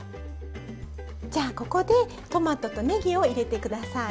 じゃあここでトマトとねぎを入れて下さい。